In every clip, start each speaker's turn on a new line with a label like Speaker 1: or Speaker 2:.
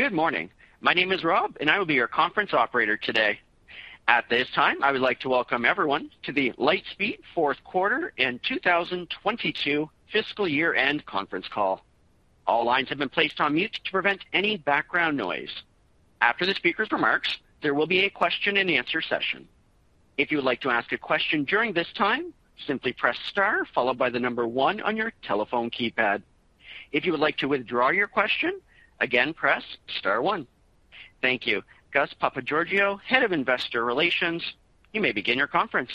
Speaker 1: Good morning. My name is Rob, and I will be your conference operator today. At this time, I would like to welcome everyone to the Lightspeed fourth quarter and 2022 fiscal year end conference call. All lines have been placed on mute to prevent any background noise. After the speaker's remarks, there will be a question-and-answer session. If you would like to ask a question during this time, simply press star followed by the number one on your telephone keypad. If you would like to withdraw your question, again, press star one. Thank you. Gus Papageorgiou, Head of Investor Relations, you may begin your conference.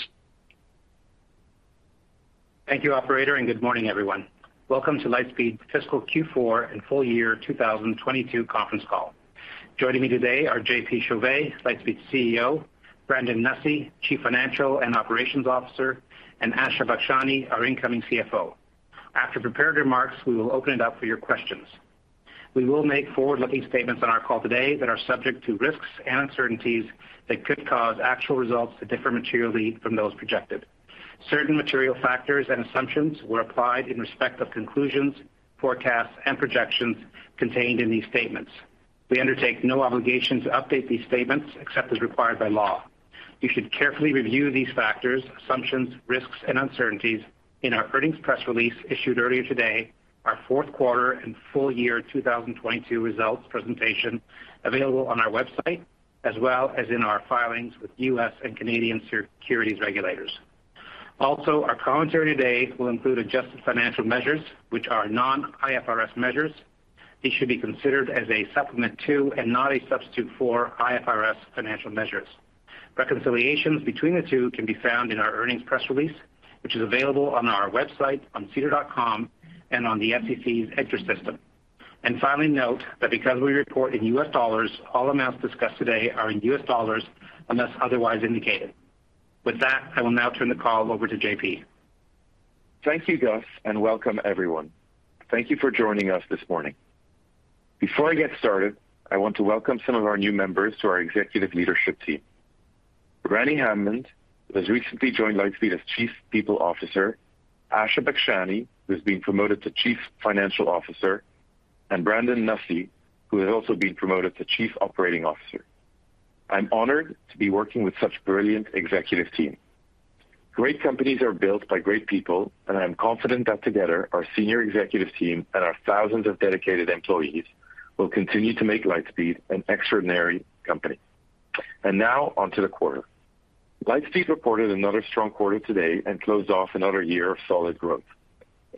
Speaker 2: Thank you, operator, and good morning, everyone. Welcome to Lightspeed fiscal Q4 and full year 2022 conference call. Joining me today are JP Chauvet, Lightspeed's CEO, Brandon Nussey, Chief Financial and Operations Officer, and Asha Bakshani, our incoming CFO. After prepared remarks, we will open it up for your questions. We will make forward-looking statements on our call today that are subject to risks and uncertainties that could cause actual results to differ materially from those projected. Certain material factors and assumptions were applied in respect of conclusions, forecasts, and projections contained in these statements. We undertake no obligation to update these statements except as required by law. You should carefully review these factors, assumptions, risks, and uncertainties in our earnings press release issued earlier today, our fourth quarter and full year 2022 results presentation available on our website, as well as in our filings with U.S. and Canadian securities regulators. Also, our commentary today will include adjusted financial measures, which are non-IFRS measures. These should be considered as a supplement to and not a substitute for IFRS financial measures. Reconciliations between the two can be found in our earnings press release, which is available on our website, on SEDAR.com and on the SEC's EDGAR system. Finally, note that because we report in U.S. dollars, all amounts discussed today are in U.S. dollars unless otherwise indicated. With that, I will now turn the call over to JP.
Speaker 3: Thank you, Gus, and welcome everyone. Thank you for joining us this morning. Before I get started, I want to welcome some of our new members to our executive leadership team. Rani Hammond, who has recently joined Lightspeed as Chief People Officer, Asha Bakshani, who has been promoted to Chief Financial Officer, and Brandon Nussey, who has also been promoted to Chief Operating Officer. I'm honored to be working with such brilliant executive team. Great companies are built by great people, and I am confident that together, our senior executive team and our thousands of dedicated employees will continue to make Lightspeed an extraordinary company. Now on to the quarter. Lightspeed reported another strong quarter today and closed off another year of solid growth.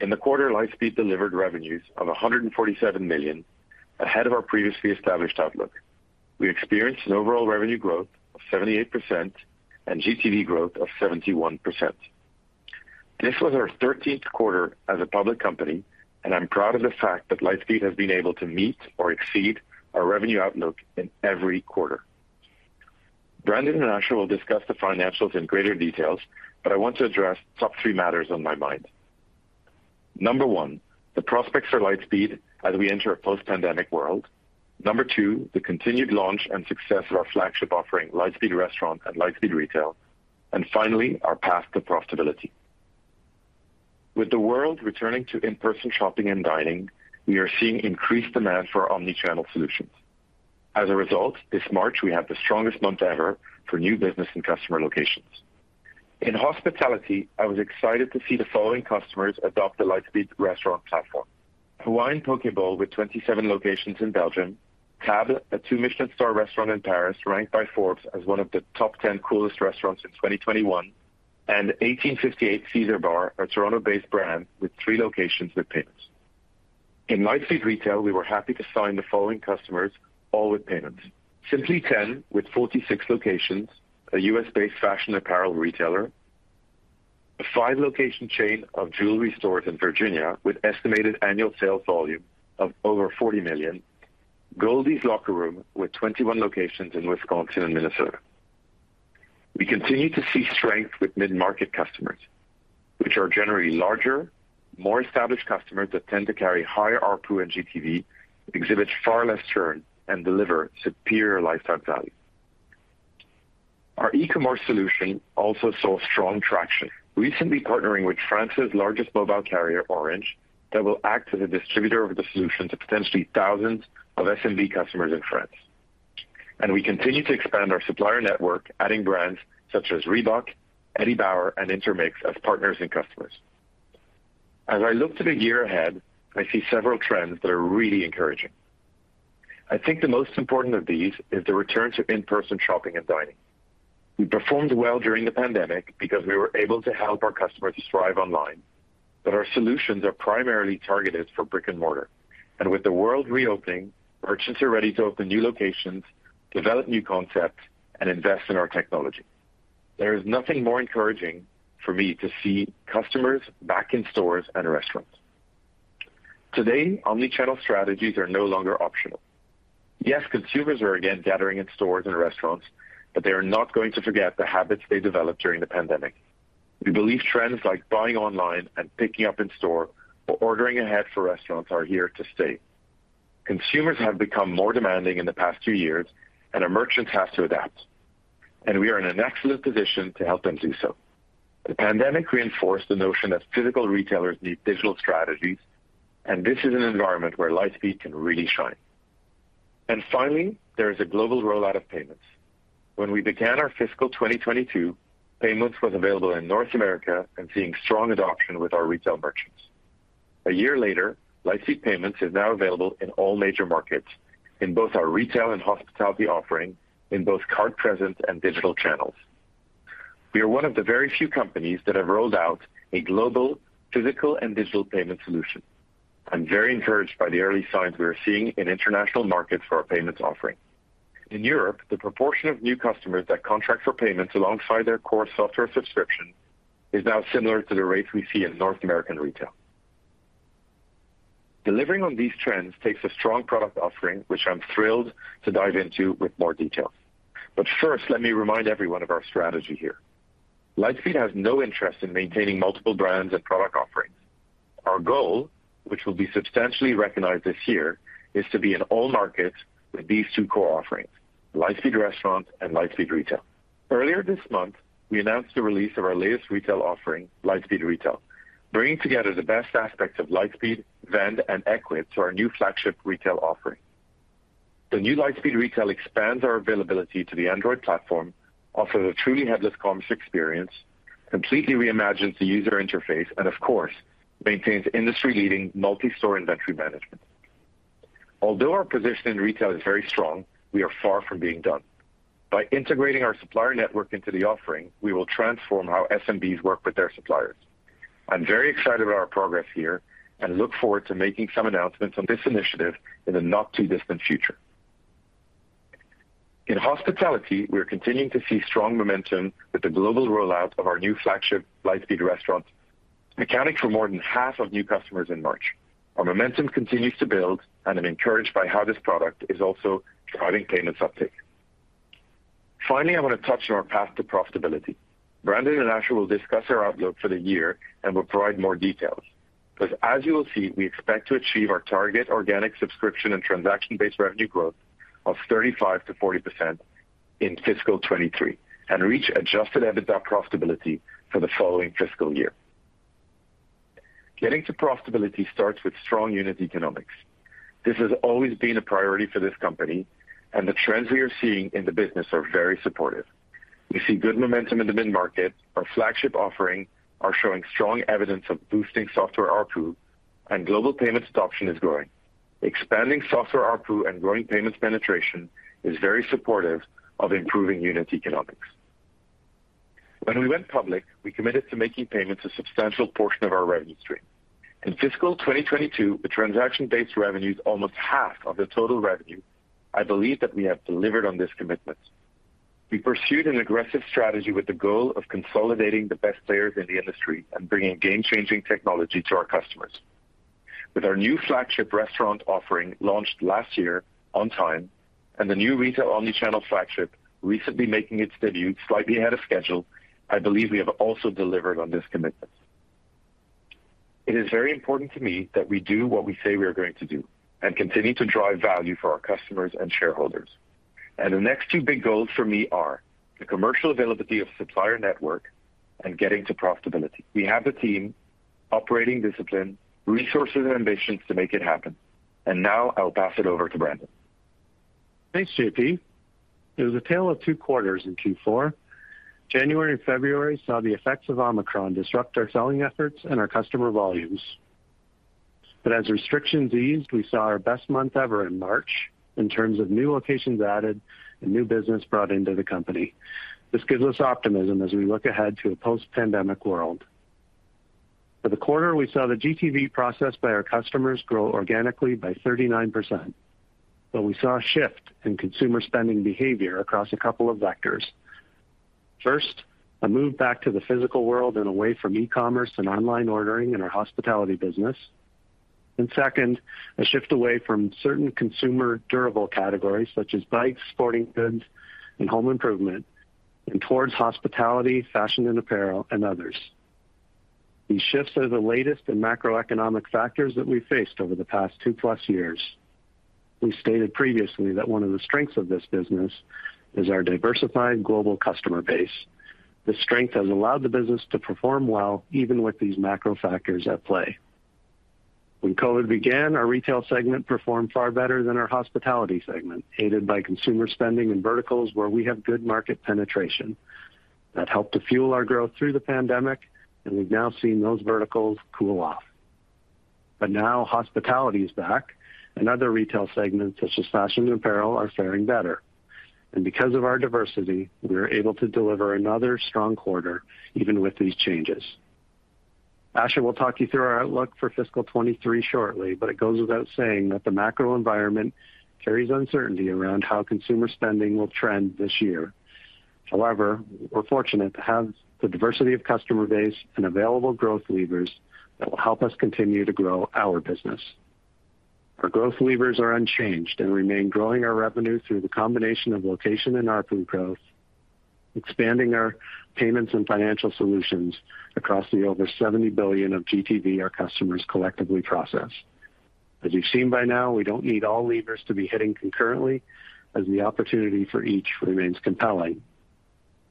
Speaker 3: In the quarter, Lightspeed delivered revenues of $147 million, ahead of our previously established outlook. We experienced an overall revenue growth of 78% and GTV growth of 71%. This was our 13th quarter as a public company, and I'm proud of the fact that Lightspeed has been able to meet or exceed our revenue outlook in every quarter. Brandon and Asha will discuss the financials in greater details, but I want to address top three matters on my mind. Number one, the prospects for Lightspeed as we enter a post-pandemic world. Number two, the continued launch and success of our flagship offering, Lightspeed Restaurant and Lightspeed Retail. And finally, our path to profitability. With the world returning to in-person shopping and dining, we are seeing increased demand for omni-channel solutions. As a result, this March, we had the strongest month ever for new business and customer locations. In hospitality, I was excited to see the following customers adopt the Lightspeed Restaurant platform. Hawaiian Poké Bowl with 27 locations in Belgium, Le Jules Verne, a two-Michelin-star restaurant in Paris, ranked by Forbes as one of the top 10 coolest restaurants in 2021, and 1858 Caesar Bar, a Toronto-based brand with three locations with payments. In Lightspeed Retail, we were happy to sign the following customers, all with payments. Simply 10, with 46 locations, a U.S.-based fashion apparel retailer, a five-location chain of jewelry stores in Virginia with estimated annual sales volume of over $40 million. Goldy's Locker Room with 21 locations in Wisconsin and Minnesota. We continue to see strength with mid-market customers, which are generally larger, more established customers that tend to carry higher ARPU and GTV, exhibit far less churn, and deliver superior lifetime value. Our e-commerce solution also saw strong traction, recently partnering with France's largest mobile carrier, Orange, that will act as a distributor of the solution to potentially thousands of SMB customers in France. We continue to expand our supplier network, adding brands such as Reebok, Eddie Bauer, and Intermix as partners and customers. As I look to the year ahead, I see several trends that are really encouraging. I think the most important of these is the return to in-person shopping and dining. We performed well during the pandemic because we were able to help our customers thrive online. Our solutions are primarily targeted for brick-and-mortar. With the world reopening, merchants are ready to open new locations, develop new concepts, and invest in our technology. There is nothing more encouraging for me to see customers back in stores and restaurants. Today, omni-channel strategies are no longer optional. Yes, consumers are again gathering in stores and restaurants, but they are not going to forget the habits they developed during the pandemic. We believe trends like buying online and picking up in store or ordering ahead for restaurants are here to stay. Consumers have become more demanding in the past two years, and our merchants have to adapt. We are in an excellent position to help them do so. The pandemic reinforced the notion that physical retailers need digital strategies, and this is an environment where Lightspeed can really shine. Finally, there is a global rollout of payments. When we began our fiscal 2022, payments was available in North America and seeing strong adoption with our retail merchants. A year later, Lightspeed Payments is now available in all major markets in both our retail and hospitality offering, in both card present and digital channels. We are one of the very few companies that have rolled out a global physical and digital payment solution. I'm very encouraged by the early signs we are seeing in international markets for our payments offering. In Europe, the proportion of new customers that contract for payments alongside their core software subscription is now similar to the rates we see in North American retail. Delivering on these trends takes a strong product offering, which I'm thrilled to dive into with more detail. First, let me remind everyone of our strategy here. Lightspeed has no interest in maintaining multiple brands and product offerings. Our goal, which will be substantially recognized this year, is to be in all markets with these two core offerings, Lightspeed Restaurant and Lightspeed Retail. Earlier this month, we announced the release of our latest retail offering, Lightspeed Retail, bringing together the best aspects of Lightspeed, Vend, and Ecwid to our new flagship retail offering. The new Lightspeed Retail expands our availability to the Android platform, offers a truly headless commerce experience, completely reimagines the user interface and of course, maintains industry-leading multi-store inventory management. Although our position in retail is very strong, we are far from being done. By integrating our supplier network into the offering, we will transform how SMBs work with their suppliers. I'm very excited about our progress here and look forward to making some announcements on this initiative in the not too distant future. In hospitality, we are continuing to see strong momentum with the global rollout of our new flagship Lightspeed Restaurant, accounting for more than half of new customers in March. Our momentum continues to build, and I'm encouraged by how this product is also driving payments uptake. Finally, I want to touch on our path to profitability. Brandon Nussey will discuss our outlook for the year and will provide more details. As you will see, we expect to achieve our target organic subscription and transaction-based revenue growth of 35%-40% in fiscal 2023 and reach adjusted EBITDA profitability for the following fiscal year. Getting to profitability starts with strong unit economics. This has always been a priority for this company, and the trends we are seeing in the business are very supportive. We see good momentum in the mid-market. Our flagship offering are showing strong evidence of boosting software ARPU, and global payments adoption is growing. Expanding software ARPU and growing payments penetration is very supportive of improving unit economics. When we went public, we committed to making payments a substantial portion of our revenue stream. In fiscal 2022, the transaction-based revenue is almost half of the total revenue. I believe that we have delivered on this commitment. We pursued an aggressive strategy with the goal of consolidating the best players in the industry and bringing game-changing technology to our customers. With our new flagship restaurant offering launched last year on time and the new retail omni-channel flagship recently making its debut slightly ahead of schedule, I believe we have also delivered on this commitment. It is very important to me that we do what we say we are going to do and continue to drive value for our customers and shareholders. The next two big goals for me are the commercial availability of supplier network and getting to profitability. We have the team, operating discipline, resources, and ambitions to make it happen. Now I'll pass it over to Brandon.
Speaker 4: Thanks, JP. It was a tale of two quarters in Q4. January and February saw the effects of Omicron disrupt our selling efforts and our customer volumes. As restrictions eased, we saw our best month ever in March in terms of new locations added and new business brought into the company. This gives us optimism as we look ahead to a post-pandemic world. For the quarter, we saw the GTV processed by our customers grow organically by 39%. We saw a shift in consumer spending behavior across a couple of vectors. First, a move back to the physical world and away from e-commerce and online ordering in our hospitality business. Second, a shift away from certain consumer durable categories such as bikes, sporting goods, and home improvement, and towards hospitality, fashion and apparel, and others. These shifts are the latest in macroeconomic factors that we've faced over the past two-plus years. We stated previously that one of the strengths of this business is our diversified global customer base. This strength has allowed the business to perform well, even with these macro factors at play. When COVID began, our retail segment performed far better than our hospitality segment, aided by consumer spending in verticals where we have good market penetration. That helped to fuel our growth through the pandemic, and we've now seen those verticals cool off. Hospitality is back, and other retail segments such as fashion and apparel are faring better. Because of our diversity, we are able to deliver another strong quarter even with these changes. Asha will talk you through our outlook for fiscal 2023 shortly, but it goes without saying that the macro environment carries uncertainty around how consumer spending will trend this year. However, we're fortunate to have the diversity of customer base and available growth levers that will help us continue to grow our business. Our growth levers are unchanged and remain growing our revenue through the combination of location and ARPU growth, expanding our payments and financial solutions across the over $70 billion of GTV our customers collectively process. As you've seen by now, we don't need all levers to be hitting concurrently as the opportunity for each remains compelling.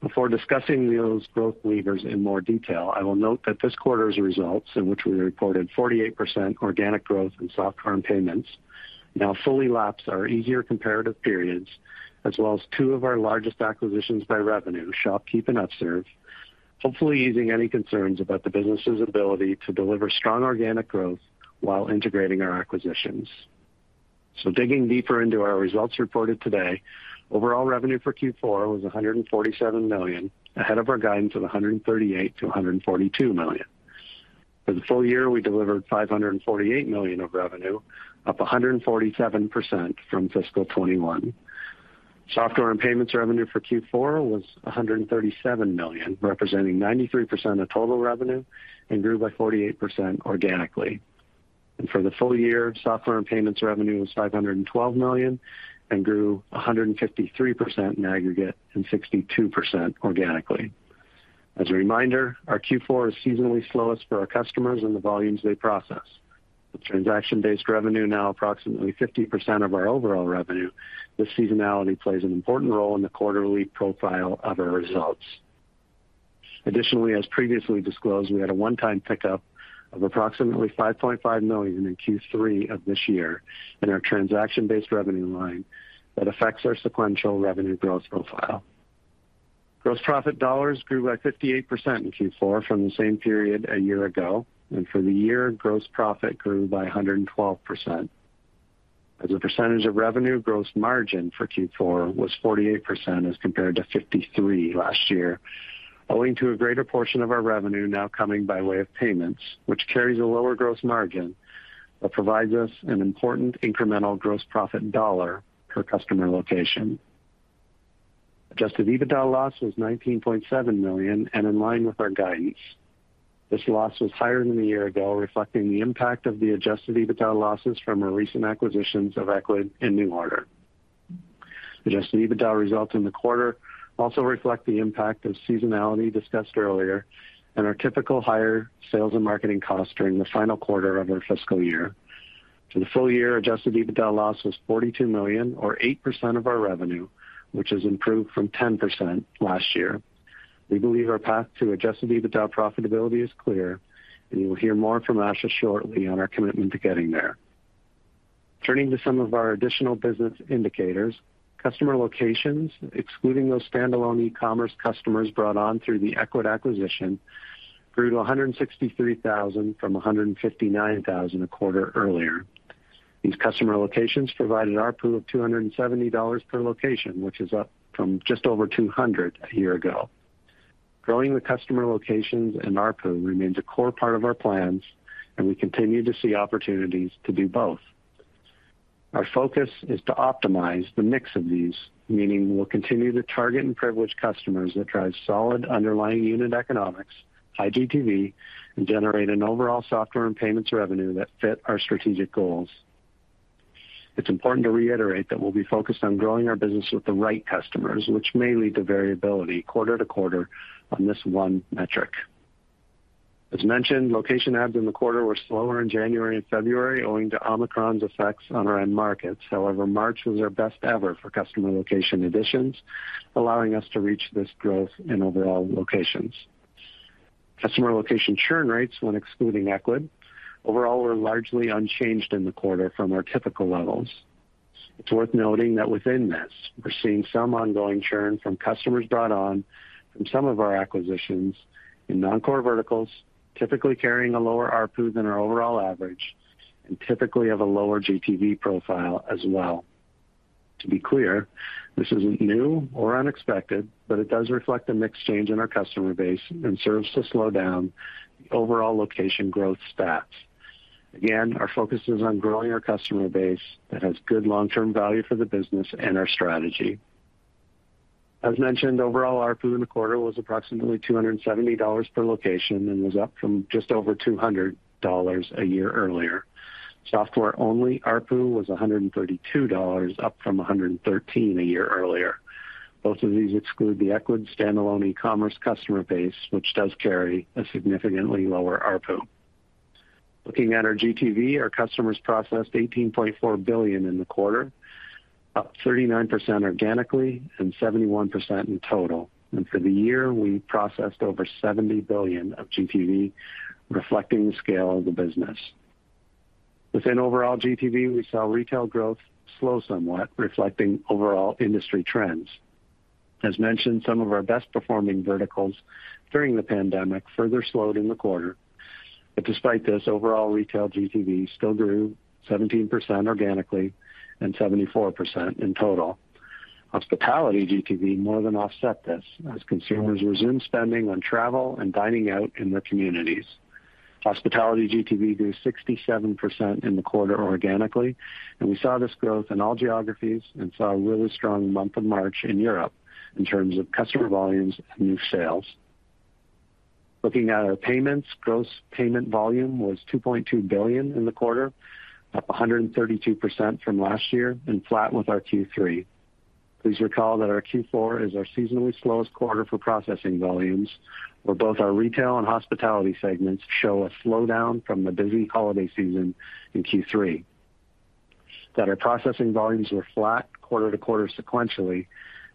Speaker 4: Before discussing those growth levers in more detail, I will note that this quarter's results, in which we reported 48% organic growth in software and payments, now fully lapse our easier comparative periods, as well as two of our largest acquisitions by revenue, ShopKeep and Upserve, hopefully easing any concerns about the business's ability to deliver strong organic growth while integrating our acquisitions. Digging deeper into our results reported today, overall revenue for Q4 was $147 million, ahead of our guidance of $138 million-$142 million. For the full year, we delivered $548 million of revenue, up 147% from fiscal 2021. Software and payments revenue for Q4 was $137 million, representing 93% of total revenue, and grew by 48% organically. For the full year, software and payments revenue was $512 million and grew 153% in aggregate and 62% organically. As a reminder, our Q4 is seasonally slowest for our customers and the volumes they process. With transaction-based revenue now approximately 50% of our overall revenue, this seasonality plays an important role in the quarterly profile of our results. Additionally, as previously disclosed, we had a one-time pickup of approximately $5.5 million in Q3 of this year in our transaction-based revenue line that affects our sequential revenue growth profile. Gross profit dollars grew by 58% in Q4 from the same period a year ago. For the year, gross profit grew by 112%. As a percentage of revenue, gross margin for Q4 was 48% as compared to 53% last year, owing to a greater portion of our revenue now coming by way of payments, which carries a lower gross margin but provides us an important incremental gross profit dollar per customer location. Adjusted EBITDA loss was $19.7 million and in line with our guidance. This loss was higher than a year ago, reflecting the impact of the adjusted EBITDA losses from our recent acquisitions of Ecwid and NuORDER. Adjusted EBITDA results in the quarter also reflect the impact of seasonality discussed earlier and our typical higher sales and marketing costs during the final quarter of our fiscal year. For the full year, adjusted EBITDA loss was $42 million or 8% of our revenue, which has improved from 10% last year. We believe our path to adjusted EBITDA profitability is clear, and you will hear more from Asha shortly on our commitment to getting there. Turning to some of our additional business indicators, customer locations, excluding those standalone e-commerce customers brought on through the Ecwid acquisition, grew to 163,000 from 159,000 a quarter earlier. These customer locations provided ARPU of $270 per location, which is up from just over $200 a year ago. Growing the customer locations and ARPU remains a core part of our plans, and we continue to see opportunities to do both. Our focus is to optimize the mix of these, meaning we'll continue to target and privilege customers that drive solid underlying unit economics, high GTV, and generate an overall software and payments revenue that fit our strategic goals. It's important to reiterate that we'll be focused on growing our business with the right customers, which may lead to variability quarter to quarter on this one metric. As mentioned, location adds in the quarter were slower in January and February owing to Omicron's effects on our end markets. However, March was our best ever for customer location additions, allowing us to reach this growth in overall locations. Customer location churn rates when excluding Ecwid overall were largely unchanged in the quarter from our typical levels. It's worth noting that within this, we're seeing some ongoing churn from customers brought on from some of our acquisitions in non-core verticals, typically carrying a lower ARPU than our overall average and typically have a lower GTV profile as well. To be clear, this isn't new or unexpected, but it does reflect a mix change in our customer base and serves to slow down the overall location growth stats. Our focus is on growing our customer base that has good long-term value for the business and our strategy. As mentioned, overall ARPU in the quarter was approximately $270 per location and was up from just over $200 a year earlier. Software-only ARPU was $132, up from $113 a year earlier. Both of these exclude the Ecwid standalone e-commerce customer base, which does carry a significantly lower ARPU. Looking at our GTV, our customers processed $18.4 billion in the quarter, up 39% organically and 71% in total. For the year, we processed over $70 billion of GTV, reflecting the scale of the business. Within overall GTV, we saw retail growth slow somewhat, reflecting overall industry trends. As mentioned, some of our best performing verticals during the pandemic further slowed in the quarter. Despite this, overall retail GTV still grew 17% organically and 74% in total. Hospitality GTV more than offset this as consumers resumed spending on travel and dining out in their communities. Hospitality GTV grew 67% in the quarter organically, and we saw this growth in all geographies and saw a really strong month of March in Europe in terms of customer volumes and new sales. Looking at our payments, gross payment volume was $2.2 billion in the quarter, up 132% from last year and flat with our Q3. Please recall that our Q4 is our seasonally slowest quarter for processing volumes, where both our retail and hospitality segments show a slowdown from the busy holiday season in Q3. That our processing volumes were flat quarter to quarter sequentially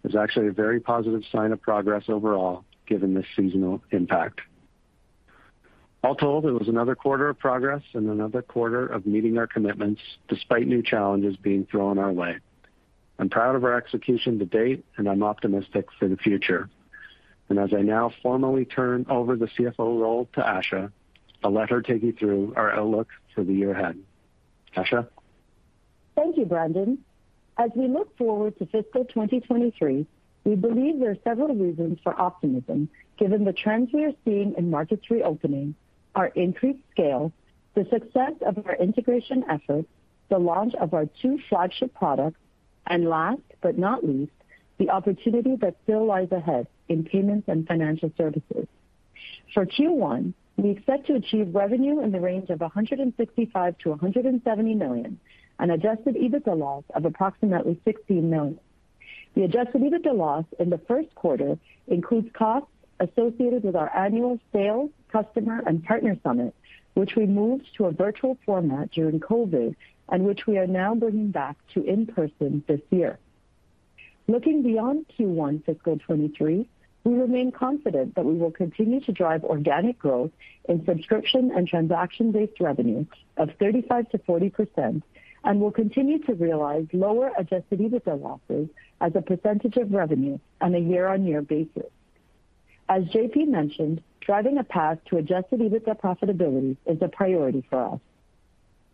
Speaker 4: is actually a very positive sign of progress overall given the seasonal impact. All told, it was another quarter of progress and another quarter of meeting our commitments despite new challenges being thrown our way. I'm proud of our execution to date, and I'm optimistic for the future. As I now formally turn over the CFO role to Asha, I'll let her take you through our outlook for the year ahead. Asha?
Speaker 5: Thank you, Brandon. As we look forward to fiscal 2023, we believe there are several reasons for optimism given the trends we are seeing in markets reopening, our increased scale, the success of our integration efforts, the launch of our two flagship products, and last but not least, the opportunity that still lies ahead in payments and financial services. For Q1, we expect to achieve revenue in the range of $165 million-$170 million, an adjusted EBITDA loss of approximately $16 million. The adjusted EBITDA loss in the first quarter includes costs associated with our annual sales, customer, and partner summit, which we moved to a virtual format during COVID and which we are now bringing back to in-person this year. Looking beyond Q1 fiscal 2023, we remain confident that we will continue to drive organic growth in subscription and transaction-based revenue of 35%-40% and will continue to realize lower adjusted EBITDA losses as a percentage of revenue on a year-on-year basis. As JP mentioned, driving a path to adjusted EBITDA profitability is a priority for us.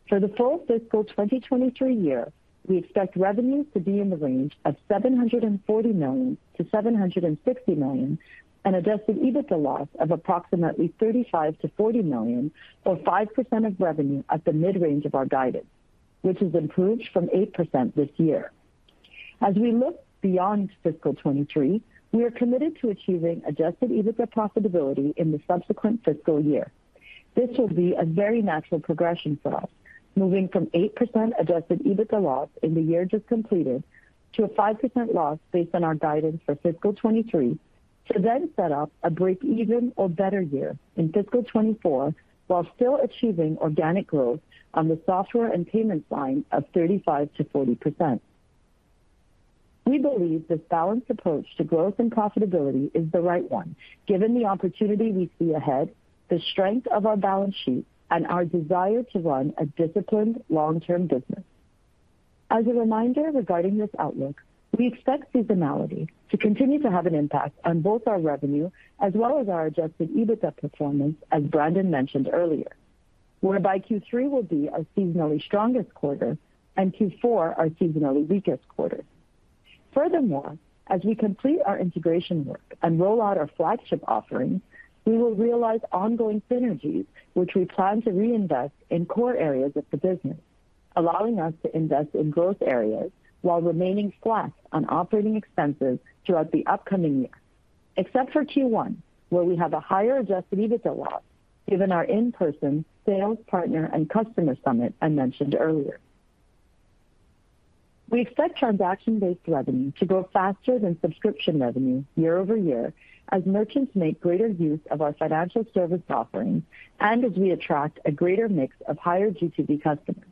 Speaker 5: For the full fiscal 2023 year, we expect revenue to be in the range of $740 million-$760 million, an adjusted EBITDA loss of approximately $35 million-$40 million, or 5% of revenue at the mid-range of our guidance, which is improved from 8% this year. As we look beyond fiscal 2023, we are committed to achieving adjusted EBITDA profitability in the subsequent fiscal year. This will be a very natural progression for us, moving from 8% adjusted EBITDA loss in the year just completed to a 5% loss based on our guidance for fiscal 2023 to then set up a break-even or better year in fiscal 2024 while still achieving organic growth on the software and payment line of 35%-40%. We believe this balanced approach to growth and profitability is the right one given the opportunity we see ahead, the strength of our balance sheet, and our desire to run a disciplined long-term business. As a reminder regarding this outlook, we expect seasonality to continue to have an impact on both our revenue as well as our adjusted EBITDA performance, as Brandon mentioned earlier, whereby Q3 will be our seasonally strongest quarter and Q4 our seasonally weakest quarter. Furthermore, as we complete our integration work and roll out our flagship offerings, we will realize ongoing synergies which we plan to reinvest in core areas of the business, allowing us to invest in growth areas while remaining flat on operating expenses throughout the upcoming year, except for Q1, where we have a higher adjusted EBITDA loss given our in-person sales partner and customer summit I mentioned earlier. We expect transaction-based revenue to grow faster than subscription revenue year-over-year as merchants make greater use of our financial service offerings and as we attract a greater mix of higher GTV customers.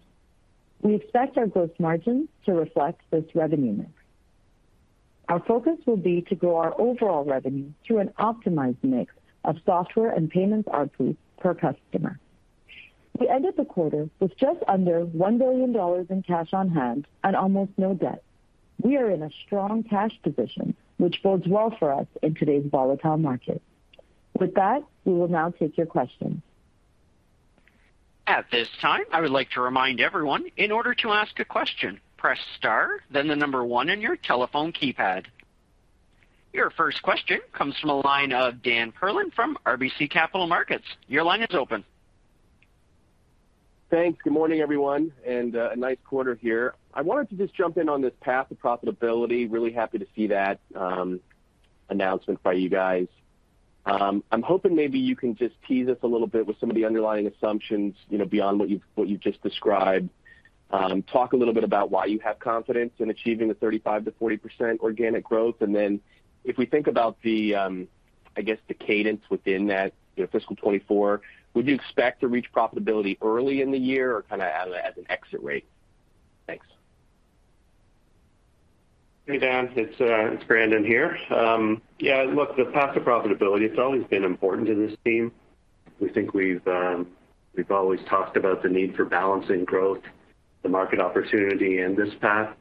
Speaker 5: We expect our gross margin to reflect this revenue mix. Our focus will be to grow our overall revenue through an optimized mix of software and payments ARPU per customer. We ended the quarter with just under $1 billion in cash on hand and almost no debt. We are in a strong cash position, which bodes well for us in today's volatile market. With that, we will now take your questions.
Speaker 1: At this time, I would like to remind everyone, in order to ask a question, press star then the number one on your telephone keypad. Your first question comes from the line of Dan Perlin from RBC Capital Markets. Your line is open.
Speaker 6: Thanks. Good morning, everyone, and a nice quarter here. I wanted to just jump in on this path to profitability. Really happy to see that announcement by you guys. I'm hoping maybe you can just tease us a little bit with some of the underlying assumptions, you know, beyond what you've just described. Talk a little bit about why you have confidence in achieving the 35%-40% organic growth. Then if we think about the, I guess the cadence within that, you know, fiscal 2024, would you expect to reach profitability early in the year or kinda as an exit rate? Thanks.
Speaker 4: Hey, Dan, it's Brandon here. Yeah. Look, the path to profitability, it's always been important to this team. We think we've always talked about the need for balancing growth, the market opportunity, and this path.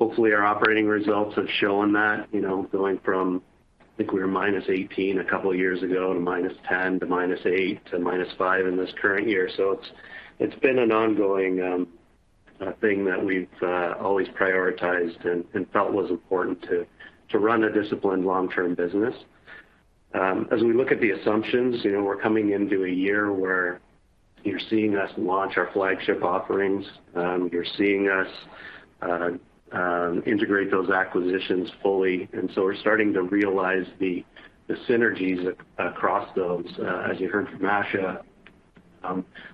Speaker 4: Hopefully, our operating results have shown that, you know, going from, I think we were -18% a couple years ago to -10% to -8% to -5% in this current year. It's been an ongoing thing that we've always prioritized and felt was important to run a disciplined long-term business. As we look at the assumptions, you know, we're coming into a year where you're seeing us launch our flagship offerings, you're seeing us integrate those acquisitions fully. We're starting to realize the synergies across those. As you heard from Asha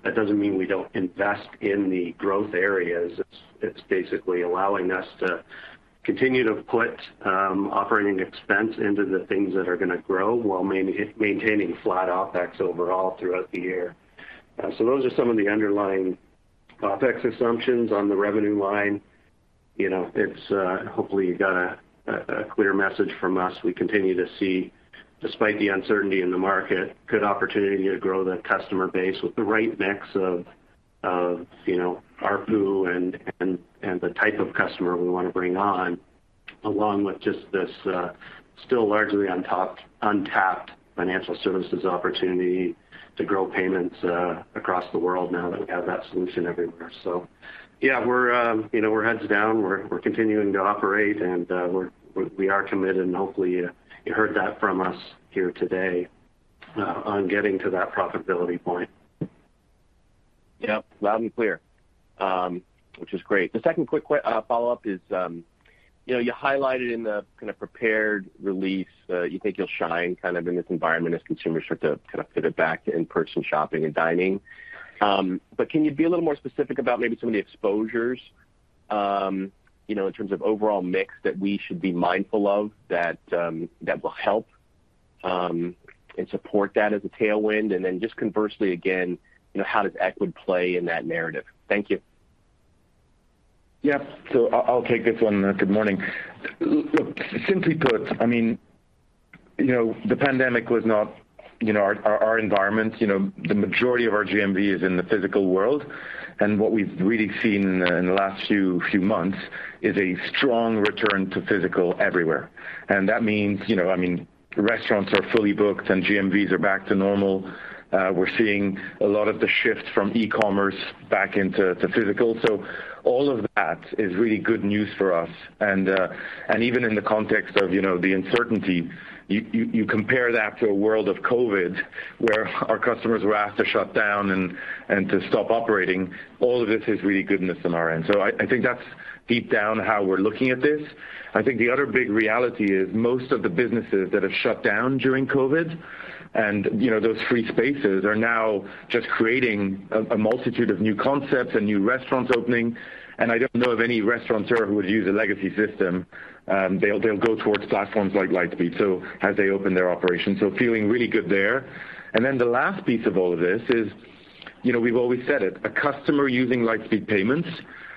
Speaker 4: That doesn't mean we don't invest in the growth areas. It's basically allowing us to continue to put operating expense into the things that are gonna grow while maintaining flat OpEx overall throughout the year. Those are some of the underlying OpEx assumptions on the revenue line. You know, hopefully you got a clear message from us. We continue to see, despite the uncertainty in the market, good opportunity to grow the customer base with the right mix of, you know, ARPU and the type of customer we wanna bring on, along with just this still largely untapped financial services opportunity to grow payments across the world now that we have that solution everywhere. Yeah, you know, we're heads down. We're continuing to operate, and we are committed, and hopefully, you heard that from us here today, on getting to that profitability point.
Speaker 6: Yep, loud and clear. Which is great. The second quick follow-up is, you know, you highlighted in the kind of prepared release, you think you'll shine kind of in this environment as consumers start to kind of pivot back to in-person shopping and dining. But can you be a little more specific about maybe some of the exposures, you know, in terms of overall mix that we should be mindful of that will help, and support that as a tailwind? And then just conversely again, you know, how does Ecwid play in that narrative? Thank you.
Speaker 3: Yeah. I'll take this one. Good morning. Look, simply put, I mean, you know, the pandemic was not, you know, our environment. You know, the majority of our GMV is in the physical world, and what we've really seen in the last few months is a strong return to physical everywhere. That means, you know, I mean, restaurants are fully booked, and GMVs are back to normal. We're seeing a lot of the shift from e-commerce back into physical. All of that is really good news for us. Even in the context of, you know, the uncertainty, you compare that to a world of COVID, where our customers were asked to shut down and to stop operating, all of this is really good news on our end. So I think that's deep down how we're looking at this. I think the other big reality is most of the businesses that have shut down during COVID and, you know, those free spaces are now just creating a multitude of new concepts and new restaurants opening, and I don't know of any restaurateur who would use a legacy system. They'll go towards platforms like Lightspeed, so as they open their operations. Feeling really good there. Then the last piece of all of this is, you know, we've always said it, a customer using Lightspeed Payments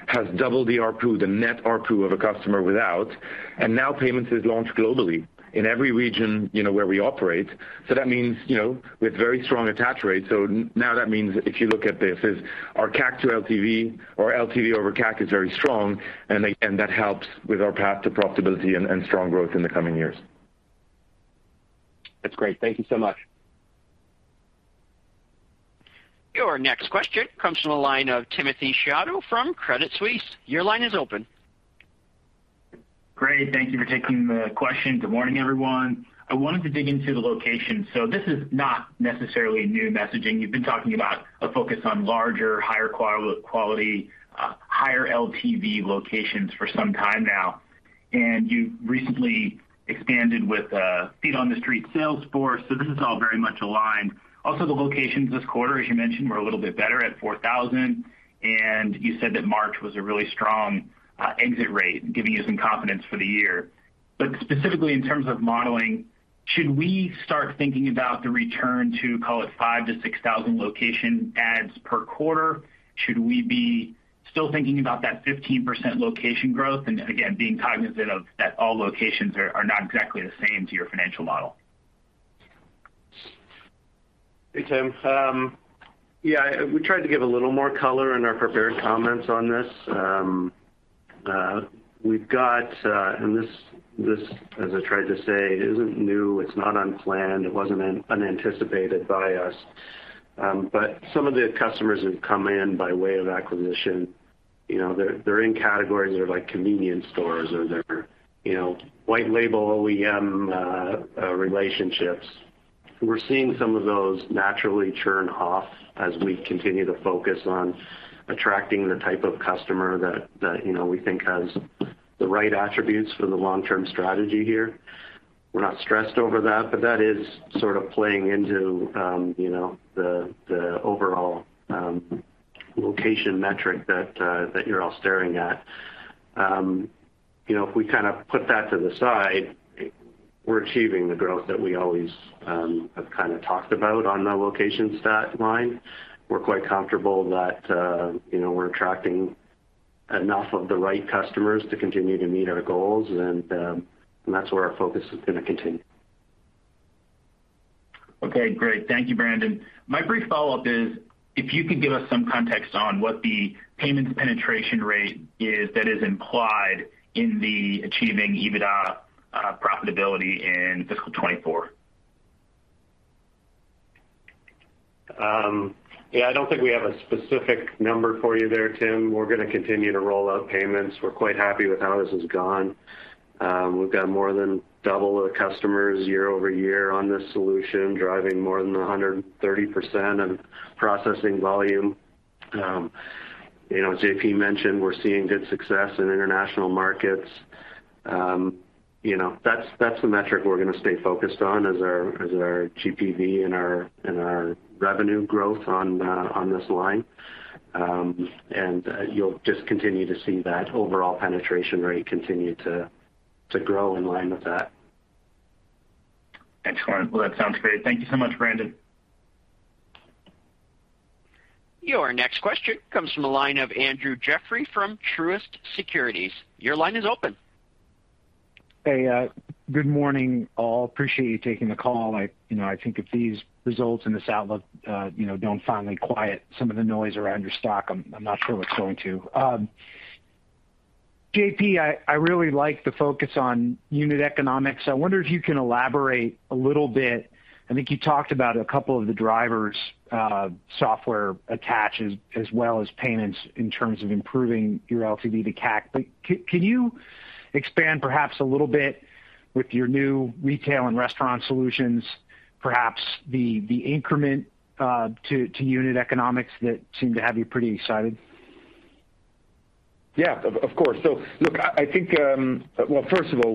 Speaker 3: has double the ARPU, the net ARPU of a customer without, and now Payments is launched globally in every region, you know, where we operate. That means, you know, with very strong attach rates. Now that means if you look at this is our CAC to LTV or LTV over CAC is very strong, and that helps with our path to profitability and strong growth in the coming years.
Speaker 6: That's great. Thank you so much.
Speaker 1: Your next question comes from the line of Timothy Chiodo from Credit Suisse. Your line is open.
Speaker 7: Great. Thank you for taking the question. Good morning, everyone. I wanted to dig into the location. This is not necessarily new messaging. You've been talking about a focus on larger, higher quality, higher LTV locations for some time now, and you've recently expanded with a feet on the street sales force. This is all very much aligned. The locations this quarter, as you mentioned, were a little bit better at 4,000, and you said that March was a really strong exit rate, giving you some confidence for the year. Specifically in terms of modeling, should we start thinking about the return to, call it 5,000-6,000 location adds per quarter? Should we be still thinking about that 15% location growth? Again, being cognizant of that all locations are not exactly the same to your financial model.
Speaker 4: Hey, Tim. Yeah, we tried to give a little more color in our prepared comments on this. We've got, and this, as I tried to say, isn't new, it's not unplanned, it wasn't unanticipated by us. Some of the customers who've come in by way of acquisition, you know, they're in categories that are like convenience stores or they're, you know, white label OEM relationships. We're seeing some of those naturally churn off as we continue to focus on attracting the type of customer that, you know, we think has the right attributes for the long-term strategy here. We're not stressed over that, but that is sort of playing into, you know, the overall location metric that you're all staring at. You know, if we kind of put that to the side, we're achieving the growth that we always have kind of talked about on the location stat line. We're quite comfortable that, you know, we're attracting enough of the right customers to continue to meet our goals and that's where our focus is gonna continue.
Speaker 7: Okay, great. Thank you, Brandon. My brief follow-up is if you could give us some context on what the payments penetration rate is that is implied in the achieving EBITDA profitability in fiscal 2024?
Speaker 4: Yeah, I don't think we have a specific number for you there, Tim. We're gonna continue to roll out payments. We're quite happy with how this has gone. We've got more than double the customers year-over-year on this solution, driving more than 130% of processing volume. You know, as JP mentioned, we're seeing good success in international markets. You know, that's the metric we're gonna stay focused on as our GPV and our revenue growth on this line. You'll just continue to see that overall penetration rate continue to grow in line with that.
Speaker 7: Excellent. Well, that sounds great. Thank you so much, Brandon.
Speaker 1: Your next question comes from the line of Andrew Jeffrey from Truist Securities. Your line is open.
Speaker 8: Hey, good morning all. Appreciate you taking the call. I think if these results and this outlook, you know, don't finally quiet some of the noise around your stock, I'm not sure what's going to. JP, I really like the focus on unit economics. I wonder if you can elaborate a little bit. I think you talked about a couple of the drivers, software attaches as well as payments in terms of improving your LTV to CAC. Can you expand perhaps a little bit with your new retail and restaurant solutions, perhaps the increment to unit economics that seem to have you pretty excited?
Speaker 3: Yeah, of course. Look, I think, well, first of all,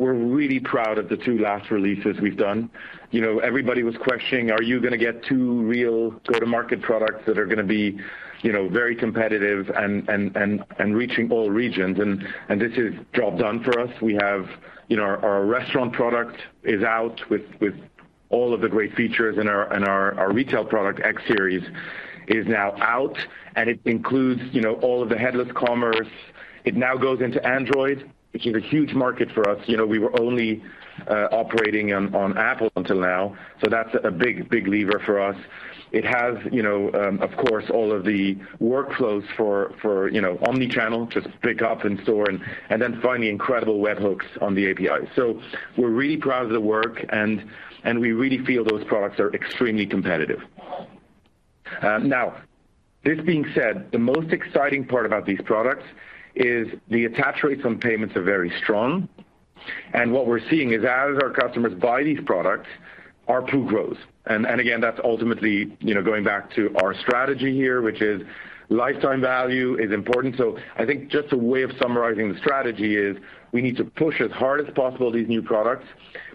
Speaker 3: we're really proud of the two last releases we've done. You know, everybody was questioning, are you gonna get two real go-to-market products that are gonna be, you know, very competitive and reaching all regions? This is job done for us. We have, you know, our restaurant product is out with all of the great features, and our retail product X-Series is now out, and it includes, you know, all of the headless commerce. It now goes into Android, which is a huge market for us. You know, we were only operating on Apple until now, so that's a big lever for us. It has, you know, of course, all of the workflows for omni-channel to pick up in store and then finally incredible web hooks on the API. We're really proud of the work and we really feel those products are extremely competitive. Now this being said, the most exciting part about these products is the attach rates on payments are very strong, and what we're seeing is as our customers buy these products, ARPU grows. And again, that's ultimately, you know, going back to our strategy here, which is lifetime value is important. So I think just a way of summarizing the strategy is we need to push as hard as possible these new products,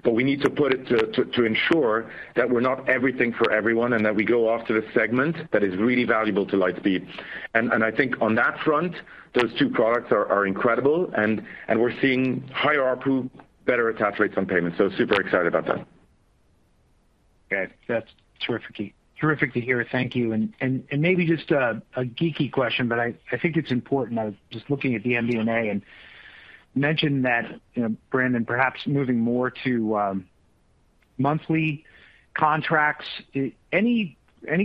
Speaker 3: but we need to put it to ensure that we're not everything for everyone, and that we go after a segment that is really valuable to Lightspeed. I think on that front, those two products are incredible and we're seeing higher ARPU, better attach rates on payments, so super excited about that.
Speaker 8: Okay. That's terrific to hear. Thank you. Maybe just a geeky question, but I think it's important. I was just looking at the MD&A and mentioned that, you know, Brandon, perhaps moving more to monthly contracts. Do any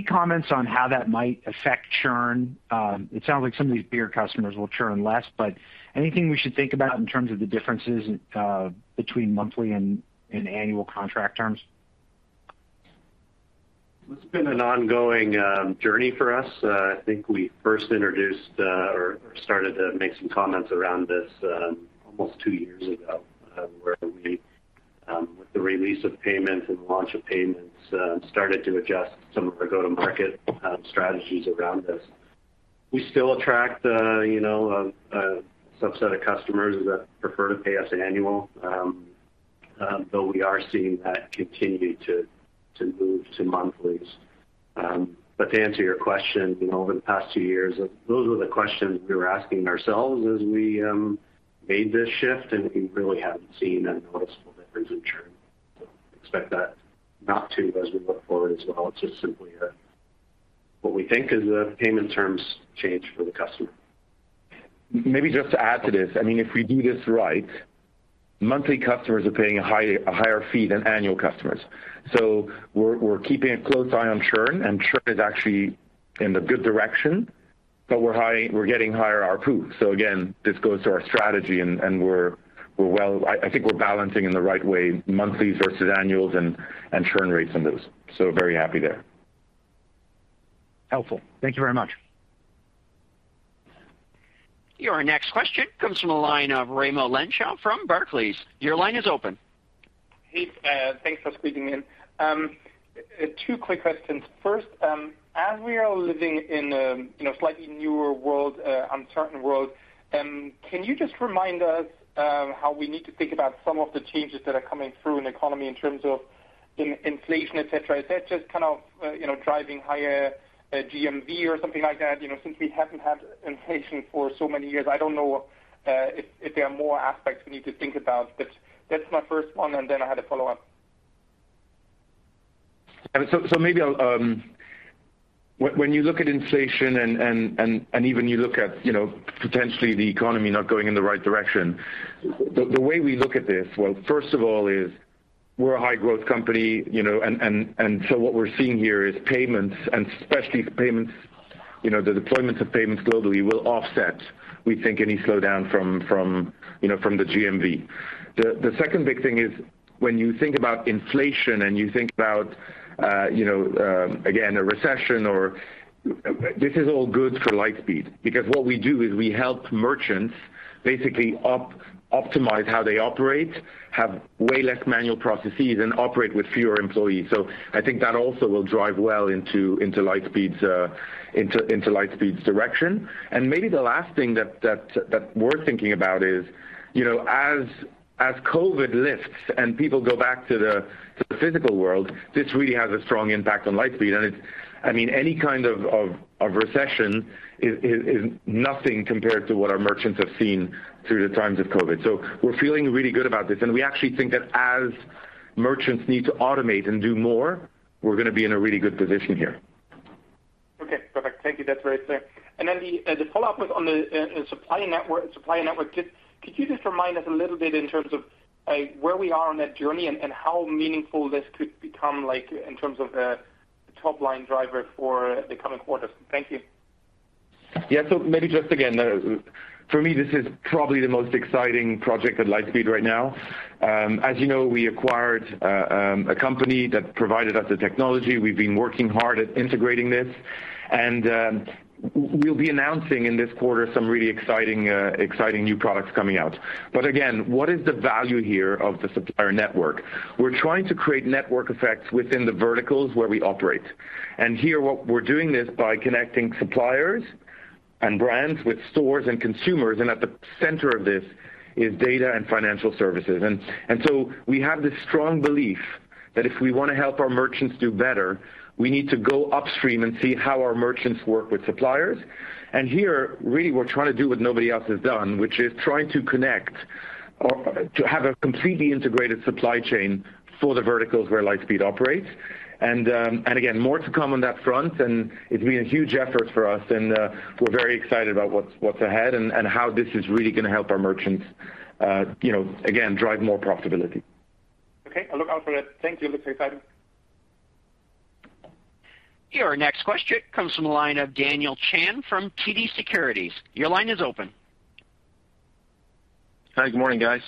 Speaker 8: comments on how that might affect churn? It sounds like some of these bigger customers will churn less, but anything we should think about in terms of the differences between monthly and annual contract terms?
Speaker 4: It's been an ongoing journey for us. I think we first introduced or started to make some comments around this almost two years ago, where we with the release of payments and launch of payments started to adjust some of our go-to-market strategies around this. We still attract you know a subset of customers that prefer to pay us annual. Though we are seeing that continue to move to monthlies. To answer your question, you know, over the past two years, those were the questions we were asking ourselves as we made this shift, and we really haven't seen a noticeable difference in churn. Expect that not to as we look forward as well. It's just simply a what we think is a payment terms change for the customer.
Speaker 3: Maybe just to add to this, I mean, if we do this right, monthly customers are paying a higher fee than annual customers. We're keeping a close eye on churn, and churn is actually in the good direction, but we're getting higher ARPU. Again, this goes to our strategy and we're well. I think we're balancing in the right way monthlies versus annuals and churn rates on those. So very happy there.
Speaker 8: Helpful. Thank you very much.
Speaker 1: Your next question comes from the line of Raimo Lenschow from Barclays. Your line is open.
Speaker 9: Hey, thanks for squeezing me in. Two quick questions. First, as we are living in a, you know, slightly newer world, uncertain world, can you just remind us, how we need to think about some of the changes that are coming through in the economy in terms of inflation, et cetera? Is that just kind of, you know, driving higher GMV or something like that? You know, since we haven't had inflation for so many years, I don't know, if there are more aspects we need to think about. But that's my first one, and then I had a follow-up.
Speaker 3: Maybe I'll. When you look at inflation and even you look at, you know, potentially the economy not going in the right direction, the way we look at this, well, first of all, is we're a high growth company, you know, and so what we're seeing here is payments and especially payments, you know, the deployment of payments globally will offset, we think, any slowdown from, you know, from the GMV. The second big thing is when you think about inflation and you think about, you know, again, a recession. This is all good for Lightspeed, because what we do is we help merchants basically optimize how they operate, have way less manual processes, and operate with fewer employees. I think that also will drive well into Lightspeed's direction. Maybe the last thing that we're thinking about is, you know, as COVID lifts and people go back to the physical world, this really has a strong impact on Lightspeed. It's. I mean, any kind of recession is nothing compared to what our merchants have seen through the times of COVID. We're feeling really good about this, and we actually think that as merchants need to automate and do more, we're gonna be in a really good position here.
Speaker 9: Okay, perfect. Thank you. That's very clear. The follow-up was on the supplier network. Could you just remind us a little bit in terms of where we are on that journey and how meaningful this could become, like, in terms of the top-line driver for the coming quarters? Thank you.
Speaker 3: Yeah. Maybe just again, for me, this is probably the most exciting project at Lightspeed right now. As you know, we acquired a company that provided us the technology. We've been working hard at integrating this, and we'll be announcing in this quarter some really exciting new products coming out. Again, what is the value here of the supplier network? We're trying to create network effects within the verticals where we operate. Here what we're doing is by connecting suppliers and brands with stores and consumers, and at the center of this is data and financial services. We have this strong belief that if we wanna help our merchants do better, we need to go upstream and see how our merchants work with suppliers. And here, really we're trying to do what nobody else has done, which is trying to connect or to have a completely integrated supply chain for the verticals where Lightspeed operates. Again, more to come on that front, and it's been a huge effort for us and we're very excited about what's ahead and how this is really gonna help our merchants, you know, again, drive more profitability.
Speaker 9: Okay. I'll look out for it. Thank you. It looks exciting.
Speaker 1: Your next question comes from the line of Daniel Chan from TD Securities. Your line is open.
Speaker 10: Hi, good morning, guys.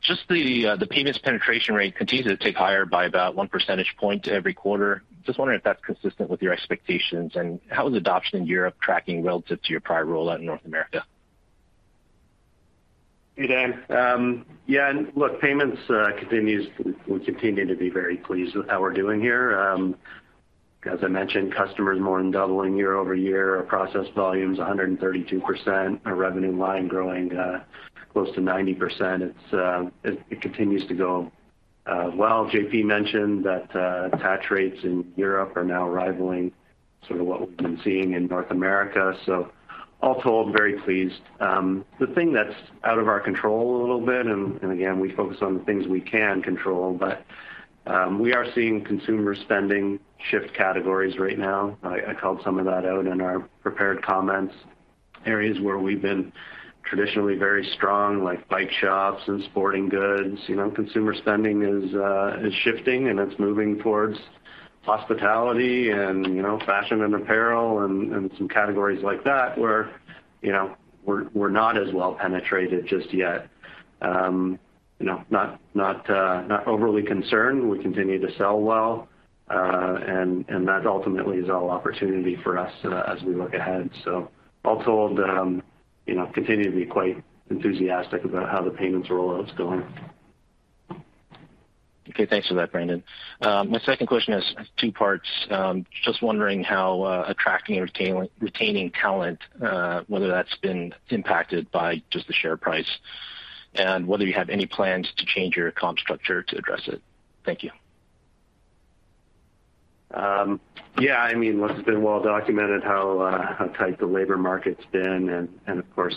Speaker 10: Just the payments penetration rate continues to tick higher by about 1 percentage point every quarter. Just wondering if that's consistent with your expectations, and how is adoption in Europe tracking relative to your prior rollout in North America?
Speaker 4: Hey, Dan. Yeah, look, payments we continue to be very pleased with how we're doing here. As I mentioned, customers more than doubling year-over-year. Our process volume is 132%. Our revenue line growing close to 90%. It continues to go well. JP mentioned that attach rates in Europe are now rivaling sort of what we've been seeing in North America. All told, very pleased. The thing that's out of our control a little bit, and again, we focus on the things we can control, but we are seeing consumer spending shift categories right now. I called some of that out in our prepared comments. Areas where we've been traditionally very strong, like bike shops and sporting goods, you know, consumer spending is shifting, and it's moving towards hospitality and, you know, fashion and apparel and some categories like that where, you know, we're not as well penetrated just yet. Not overly concerned. We continue to sell well, and that ultimately is all opportunity for us, as we look ahead. So all told, you know, continue to be quite enthusiastic about how the payments rollout is going.
Speaker 10: Okay. Thanks for that, Brandon. My second question has two parts. Just wondering how attracting and retaining talent, whether that's been impacted by just the share price and whether you have any plans to change your comp structure to address it. Thank you.
Speaker 4: Yeah, I mean, look, it's been well documented how tight the labor market's been and of course,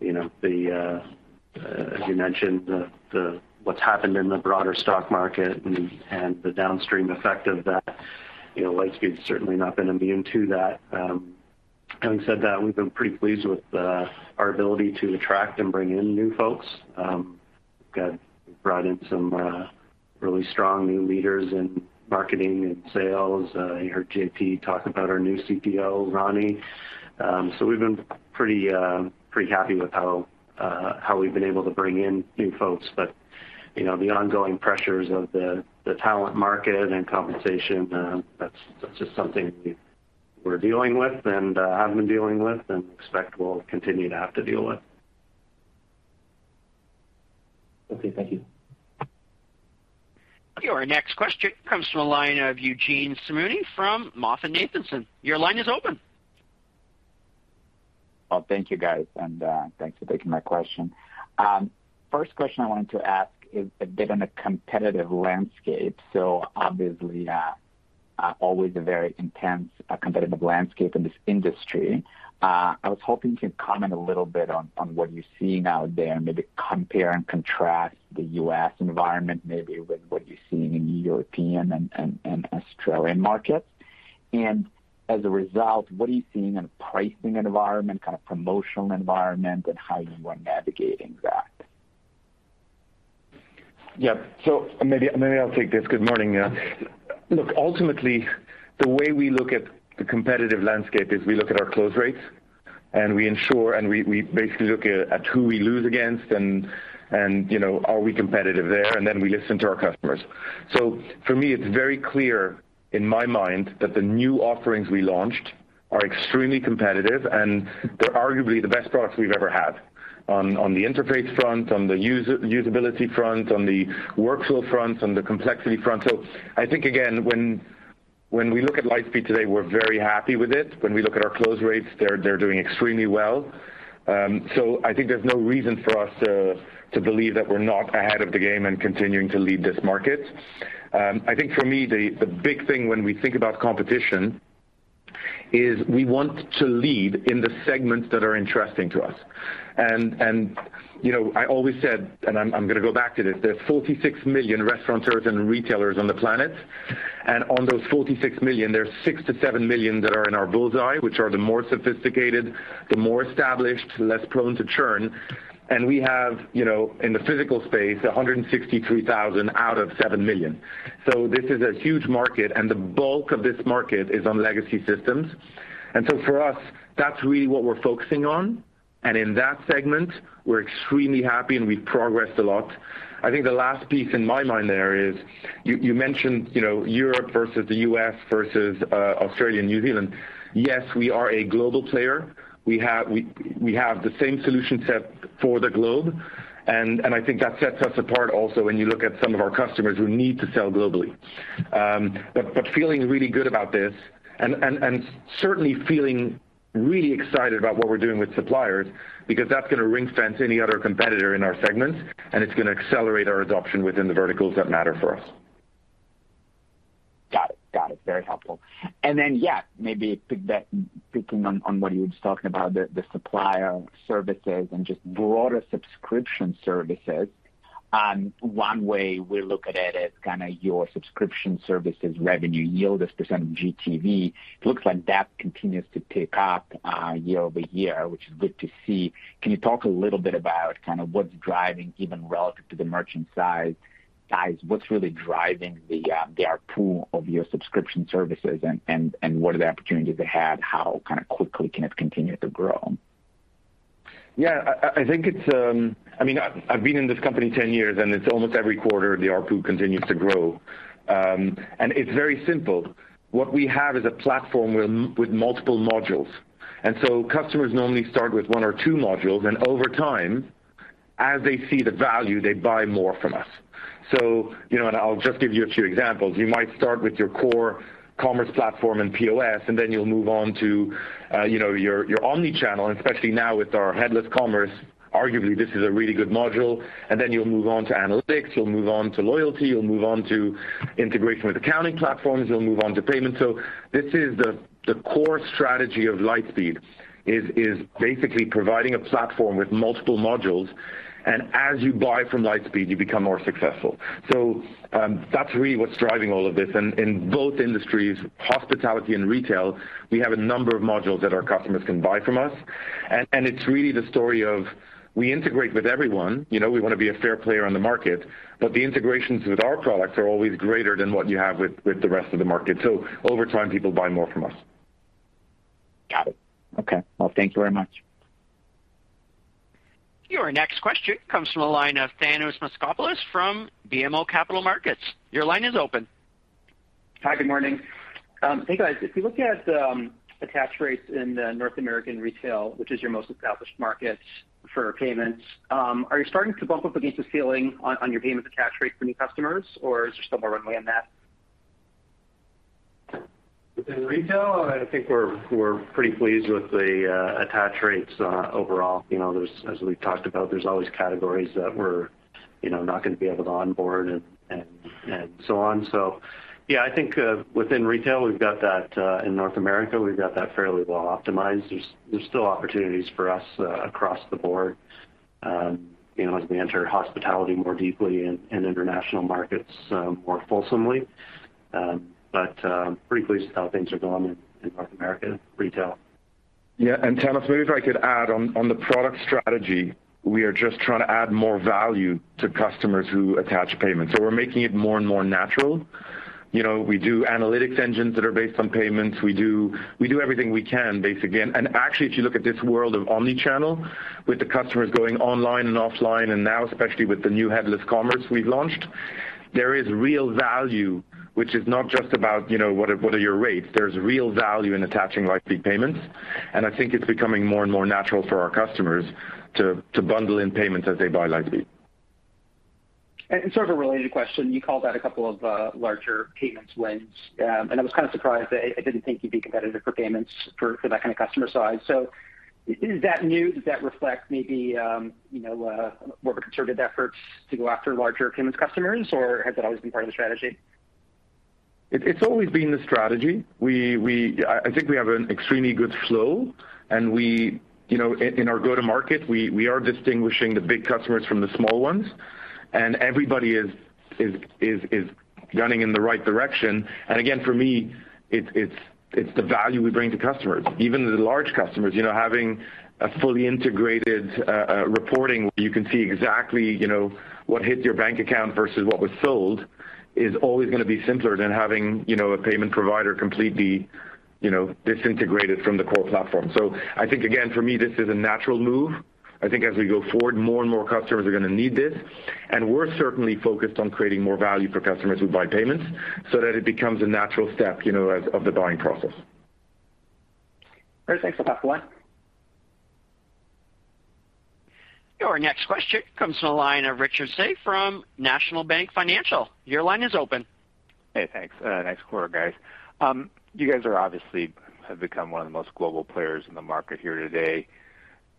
Speaker 4: you know, as you mentioned, what's happened in the broader stock market and the downstream effect of that. You know, Lightspeed's certainly not been immune to that. Having said that, we've been pretty pleased with our ability to attract and bring in new folks. We've brought in some really strong new leaders in marketing and sales. You heard JP talk about our new CPO, Rani. We've been pretty happy with how we've been able to bring in new folks. You know, the ongoing pressures of the talent market and compensation, that's just something we're dealing with and have been dealing with and expect we'll continue to have to deal with.
Speaker 10: Okay. Thank you.
Speaker 1: Your next question comes from the line of Eugene Simuni from MoffettNathanson. Your line is open.
Speaker 11: Well, thank you guys, and thanks for taking my question. First question I wanted to ask is a bit on the competitive landscape. Obviously always a very intense competitive landscape in this industry. I was hoping you could comment a little bit on what you're seeing out there and maybe compare and contrast the U.S. environment maybe with what you're seeing in European and Australian markets. As a result, what are you seeing in pricing environment, kind of promotional environment, and how you are navigating that?
Speaker 3: Yeah. So maybe I'll take this. Good morning. Look, ultimately, the way we look at the competitive landscape is we look at our close rates, and we ensure, and we basically look at who we lose against, and you know, are we competitive there? We listen to our customers. For me, it's very clear in my mind that the new offerings we launched are extremely competitive, and they're arguably the best products we've ever had. On the interface front, on the usability front, on the workflow front, on the complexity front. I think again, when we look at Lightspeed today, we're very happy with it. When we look at our close rates, they're doing extremely well. I think there's no reason for us to believe that we're not ahead of the game and continuing to lead this market. I think for me, the big thing when we think about competition is we want to lead in the segments that are interesting to us. You know, I always said, and I'm gonna go back to this, there's 46 million restaurateurs and retailers on the planet. On those 46 million, there's 6 to 7 million that are in our bull's-eye, which are the more sophisticated, the more established, less prone to churn. You know, in the physical space, we have 163,000 out of 7 million. This is a huge market, and the bulk of this market is on legacy systems. For us, that's really what we're focusing on. In that segment, we're extremely happy, and we've progressed a lot. I think the last piece in my mind there is, you mentioned, you know, Europe versus the U.S. versus Australia and New Zealand. Yes, we are a global player. We have we have the same solution set for the globe, and I think that sets us apart also when you look at some of our customers who need to sell globally. But feeling really good about this and certainly feeling really excited about what we're doing with suppliers because that's gonna ring-fence any other competitor in our segments, and it's gonna accelerate our adoption within the verticals that matter for us.
Speaker 11: Got it. Got it. Very helpful. Yeah, maybe picking on what you were just talking about, the supplier services and just broader subscription services. One way we look at it is kinda your subscription services revenue yield as percent of GTV. It looks like that continues to tick up year-over-year, which is good to see. Can you talk a little bit about kind of what's driving even relative to the merchant size, what's really driving the ARPU of your subscription services and what are the opportunities they have? How kinda quickly can it continue to grow?
Speaker 3: Yeah. I think it's, I mean, I've been in this company 10 years, and it's almost every quarter, the ARPU continues to grow. It's very simple. What we have is a platform with multiple modules. Customers normally start with one or two modules, and over time, as they see the value, they buy more from us. You know, I'll just give you a few examples. You might start with your core commerce platform and POS, and then you'll move on to, you know, your omni-channel, and especially now with our headless commerce, arguably this is a really good module. You'll move on to analytics, you'll move on to loyalty, you'll move on to integration with accounting platforms, you'll move on to payment. This is the core strategy of Lightspeed, is basically providing a platform with multiple modules, and as you buy from Lightspeed, you become more successful. That's really what's driving all of this. In both industries, hospitality and retail, we have a number of modules that our customers can buy from us. It's really the story of we integrate with everyone. You know, we wanna be a fair player on the market, but the integrations with our products are always greater than what you have with the rest of the market. Over time, people buy more from us.
Speaker 11: Got it. Okay. Well, thank you very much.
Speaker 1: Your next question comes from the line of Thanos Moschopoulos from BMO Capital Markets. Your line is open.
Speaker 12: Hi, good morning. Hey, guys. If you look at attach rates in the North American retail, which is your most established market for payments, are you starting to bump up against the ceiling on your payments attach rate for new customers, or is there still more runway on that?
Speaker 4: Within retail, I think we're pretty pleased with the attach rates overall. You know, as we've talked about, there's always categories that we're, you know, not gonna be able to onboard and so on. Yeah, I think within retail, we've got that in North America, we've got that fairly well optimized. There's still opportunities for us across the board, you know, as we enter hospitality more deeply and international markets more fulsomely. I'm pretty pleased with how things are going in North American retail.
Speaker 3: Yeah. Thanos, maybe if I could add on the product strategy, we are just trying to add more value to customers who attach payments, so we're making it more and more natural. You know, we do analytics engines that are based on payments. We do everything we can, basically. Actually, if you look at this world of omnichannel, with the customers going online and offline, and now especially with the new headless commerce we've launched, there is real value which is not just about, you know, what are your rates. There's real value in attaching Lightspeed Payments, and I think it's becoming more and more natural for our customers to bundle in payments as they buy Lightspeed.
Speaker 12: Sort of a related question, you called out a couple of larger payments wins. I was kinda surprised. I didn't think you'd be competitive for payments for that kinda customer size. Is that new? Does that reflect maybe you know more of a concerted effort to go after larger payments customers, or has that always been part of the strategy?
Speaker 3: It's always been the strategy. I think we have an extremely good flow, and we, you know, in our go-to-market, we are distinguishing the big customers from the small ones, and everybody is gunning in the right direction. Again, for me, it's the value we bring to customers, even the large customers, you know, having a fully integrated reporting where you can see exactly, you know, what hit your bank account versus what was sold is always gonna be simpler than having, you know, a payment provider completely, you know, disintegrated from the core platform. I think, again, for me, this is a natural move. I think as we go forward, more and more customers are gonna need this, and we're certainly focused on creating more value for customers who buy payments so that it becomes a natural step, you know, as of the buying process.
Speaker 12: Great. Thanks. I'll pass the line.
Speaker 1: Your next question comes from the line of Richard Tse from National Bank Financial. Your line is open.
Speaker 13: Hey, thanks. Nice quarter, guys. You guys are obviously have become one of the most global players in the market here today.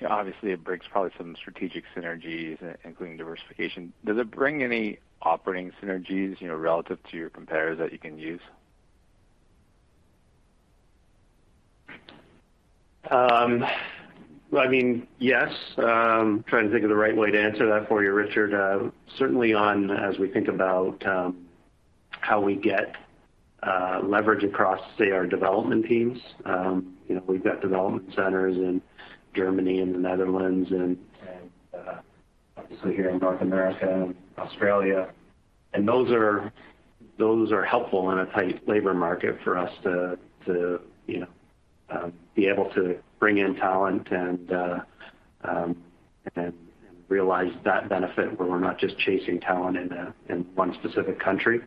Speaker 13: Obviously, it brings probably some strategic synergies, including diversification. Does it bring any operating synergies, you know, relative to your competitors that you can use?
Speaker 4: Well, I mean, yes. Trying to think of the right way to answer that for you, Richard. Certainly, as we think about how we get leverage across, say, our development teams. You know, we've got development centers in Germany and the Netherlands and obviously here in North America and Australia. Those are helpful in a tight labor market for us to, you know, be able to bring in talent and realize that benefit where we're not just chasing talent in one specific country.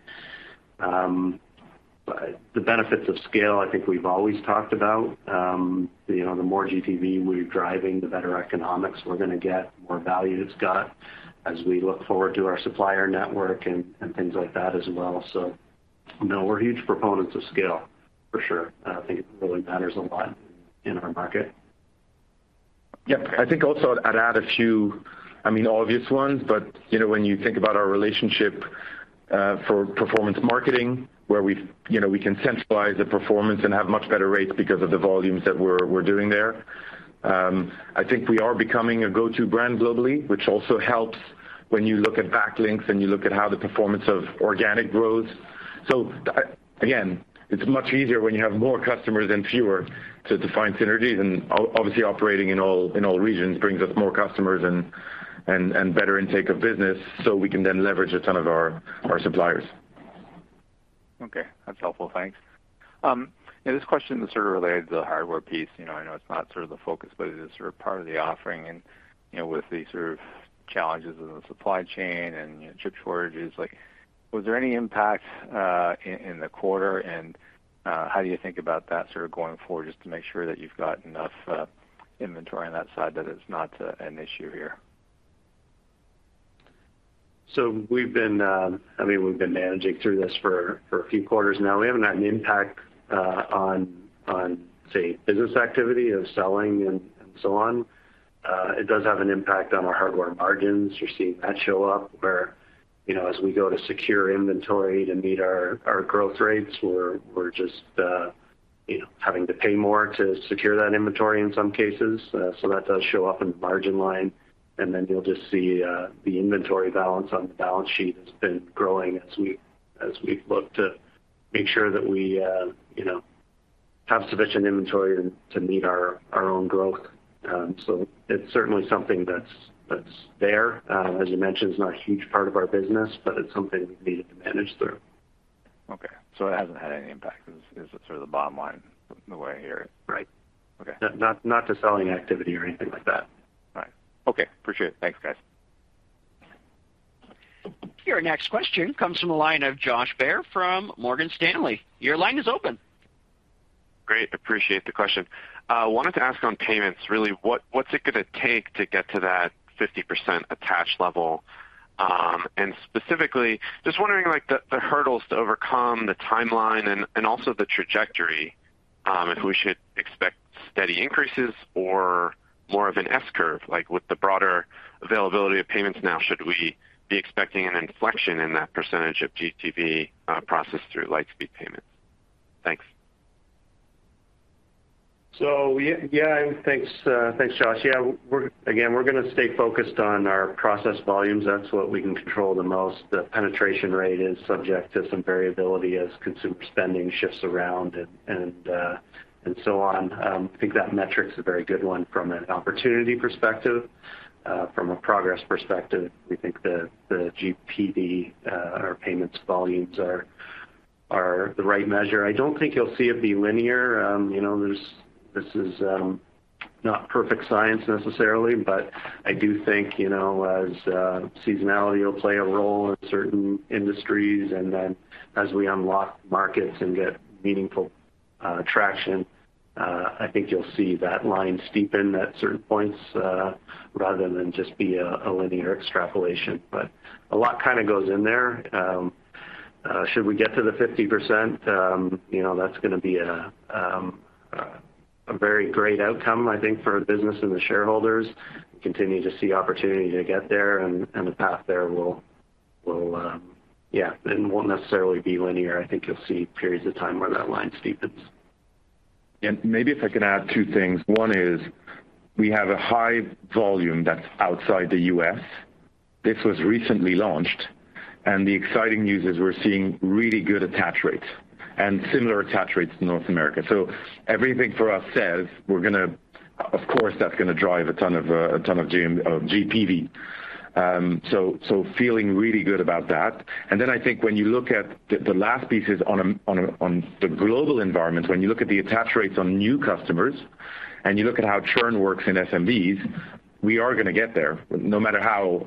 Speaker 4: The benefits of scale, I think we've always talked about. You know, the more GPV we're driving, the better economics we're gonna get, more value it's got as we look forward to our supplier network and things like that as well. So you know, we're huge proponents of scale for sure, and I think it really matters a lot in our market.
Speaker 3: Yeah. I think also I'd add a few, I mean, obvious ones, but you know, when you think about our relationship for performance marketing, where we you know, we can centralize the performance and have much better rates because of the volumes that we're doing there. I think we are becoming a go-to brand globally, which also helps when you look at backlinks and you look at how the performance of organic growth. Again, it's much easier when you have more customers than fewer to find synergies. Obviously operating in all regions brings us more customers and better intake of business, so we can then leverage a ton of our suppliers.
Speaker 13: Okay. That's helpful. Thanks. This question is sort of related to the hardware piece. You know, I know it's not sort of the focus, but it is sort of part of the offering and, you know, with the sort of challenges in the supply chain and chip shortages, like was there any impact in the quarter and how do you think about that sort of going forward, just to make sure that you've got enough inventory on that side that it's not an issue here?
Speaker 4: We've been managing through this for a few quarters now. We haven't had an impact on say business activity of selling and so on. It does have an impact on our hardware margins. You're seeing that show up where as we go to secure inventory to meet our growth rates, we're just having to pay more to secure that inventory in some cases. So that does show up in the margin line. Then you'll just see the inventory balance on the balance sheet has been growing as we look to make sure that we have sufficient inventory to meet our own growth. It's certainly something that's there. As you mentioned, it's not a huge part of our business, but it's something we need to manage through.
Speaker 13: Okay. It hasn't had any impact, is sort of the bottom line the way I hear it.
Speaker 4: Right.
Speaker 13: Okay.
Speaker 4: Not to selling activity or anything like that.
Speaker 13: Right. Okay. Appreciate it. Thanks, guys.
Speaker 1: Your next question comes from the line of Josh Baer from Morgan Stanley. Your line is open.
Speaker 14: Great. Appreciate the question. Wanted to ask on payments, really, what's it gonna take to get to that 50% attached level? Specifically, just wondering like the hurdles to overcome, the timeline and also the trajectory, and we should expect steady increases or more of an S curve, like with the broader availability of payments now, should we be expecting an inflection in that percentage of GPV processed through Lightspeed Payments? Thanks.
Speaker 4: Yeah. Thanks. Thanks, Josh. Yeah. Again, we're gonna stay focused on our process volumes. That's what we can control the most. The penetration rate is subject to some variability as consumer spending shifts around and so on. I think that metric is a very good one from an opportunity perspective. From a progress perspective, we think the GPV or payments volumes are the right measure. I don't think you'll see it be linear. You know, this is not perfect science necessarily, but I do think, you know, as seasonality will play a role in certain industries and then as we unlock markets and get meaningful traction, I think you'll see that line steepen at certain points rather than just be a linear extrapolation. A lot kinda goes in there. Should we get to the 50%, you know, that's gonna be a very great outcome, I think, for the business and the shareholders continue to see opportunity to get there and the path there will, yeah, it won't necessarily be linear. I think you'll see periods of time where that line steepens.
Speaker 3: Maybe if I can add two things. One is we have a high volume that's outside the U.S. This was recently launched, and the exciting news is we're seeing really good attach rates and similar attach rates to North America. Everything for us says we're gonna. Of course, that's gonna drive a ton of GPV. Feeling really good about that. Then I think when you look at the last pieces on the global environment, when you look at the attach rates on new customers and you look at how churn works in SMBs, we are gonna get there no matter how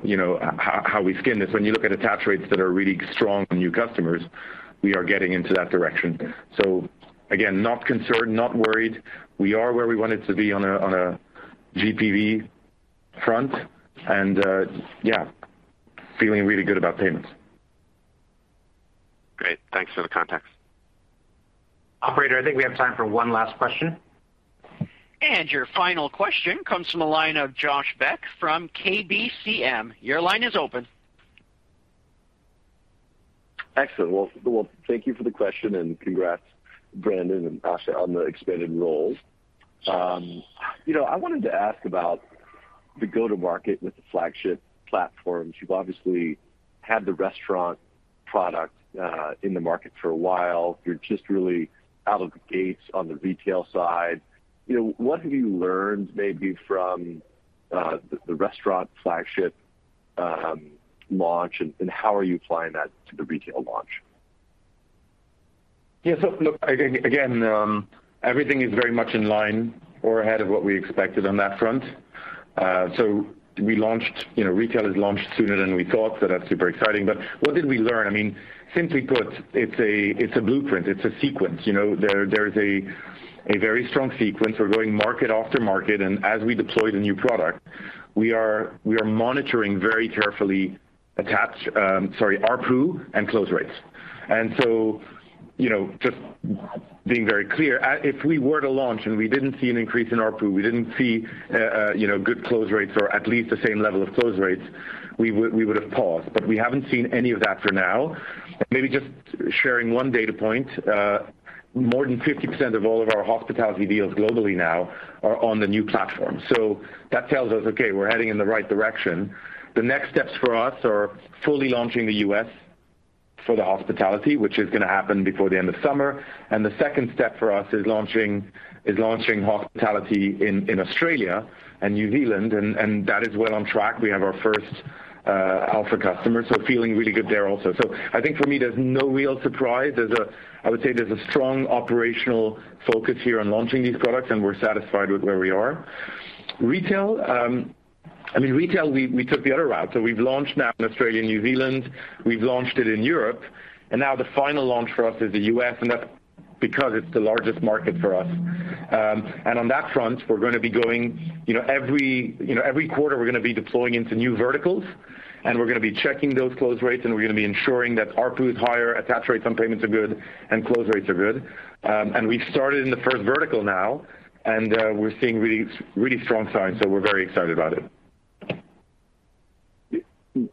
Speaker 3: we skin this. When you look at attach rates that are really strong new customers, we are getting into that direction. So again, not concerned, not worried. We are where we wanted to be on a GPV front and, yeah, feeling really good about payments.
Speaker 14: Great. Thanks for the context.
Speaker 2: Operator, I think we have time for one last question.
Speaker 1: Your final question comes from the line of Josh Beck from KBCM. Your line is open.
Speaker 15: Excellent. Well, thank you for the question, and congrats, Brandon and Asha, on the expanded roles. You know, I wanted to ask about the go-to-market with the flagship platform. You've obviously had the restaurant product in the market for a while. You're just really out of the gates on the retail side. You know, what have you learned maybe from the restaurant flagship launch and how are you applying that to the retail launch?
Speaker 3: Look, again, everything is very much in line or ahead of what we expected on that front. We launched, you know, Retail is launched sooner than we thought, so that's super exciting. What did we learn? I mean, simply put, it's a blueprint, it's a sequence, you know? There's a very strong sequence. We're going market after market, and as we deploy the new product, we are monitoring very carefully ARPU and close rates. You know, just being very clear, if we were to launch and we didn't see an increase in ARPU, we didn't see, you know, good close rates or at least the same level of close rates, we would've paused, but we haven't seen any of that for now. Maybe just sharing one data point, more than 50% of all of our hospitality deals globally now are on the new platform. That tells us, okay, we're heading in the right direction. The next steps for us are fully launching the U.S. for the hospitality, which is gonna happen before the end of summer. And the second step for us is launching hospitality in Australia and New Zealand, and that is well on track. We have our first alpha customer, so feeling really good there also. I think for me, there's no real surprise. I would say there's a strong operational focus here on launching these products, and we're satisfied with where we are. Retail, I mean, we took the other route, so we've launched now in Australia and New Zealand, we've launched it in Europe, and now the final launch for us is the U.S., and that's because it's the largest market for us. And on that front, we're gonna be going, you know, every quarter we're gonna be deploying into new verticals and we're gonna be checking those close rates, and we're gonna be ensuring that ARPU is higher, attach rates on payments are good and close rates are good. We've started in the first vertical now, and we're seeing really strong signs, so we're very excited about it.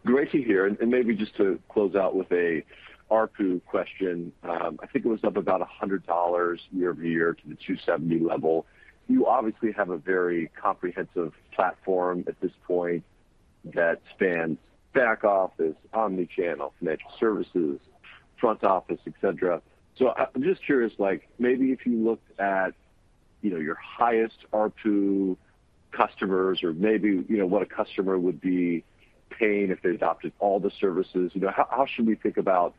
Speaker 15: Great to hear. Maybe just to close out with an ARPU question. I think it was up about $100 year-over-year to the $270 level. You obviously have a very comprehensive platform at this point that spans back office, omni-channel, financial services, front office, et cetera. I'm just curious, like maybe if you look at, you know, your highest ARPU customers or maybe, you know, what a customer would be paying if they adopted all the services, you know, how should we think about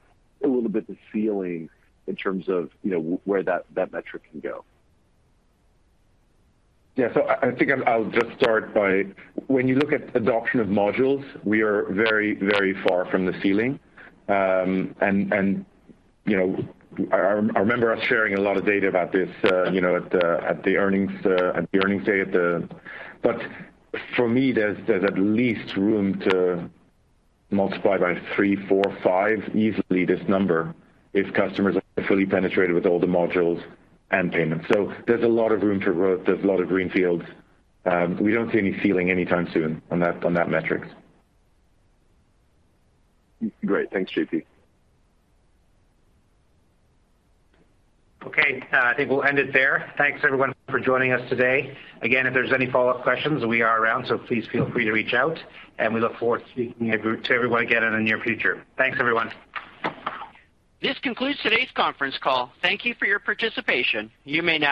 Speaker 15: a little bit of the ceiling in terms of, you know, where that metric can go?
Speaker 3: Yeah. So I think I'll just start by when you look at adoption of modules, we are very, very far from the ceiling. And you know, I remember us sharing a lot of data about this, you know, at the earnings day. But for me, there's at least room to multiply by three, four, five easily this number if customers are fully penetrated with all the modules and payments. There's a lot of room for growth. There's a lot of green fields. We don't see any ceiling anytime soon on that metric.
Speaker 15: Great. Thanks, JP.
Speaker 2: Okay, I think we'll end it there. Thanks everyone for joining us today. Again, if there's any follow-up questions, we are around, so please feel free to reach out and we look forward to speaking to everyone again in the near future. Thanks, everyone.
Speaker 1: This concludes today's conference call. Thank you for your participation. You may now disconnect.